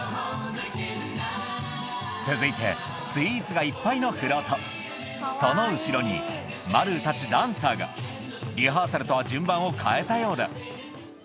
続いてスイーツがいっぱいのフロートその後ろにマルーたちダンサーがリハーサルとは順番を変えたようだ